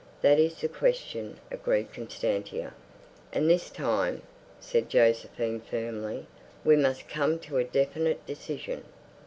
"That is the question," agreed Constantia. "And this time," said Josephine firmly, "we must come to a definite decision."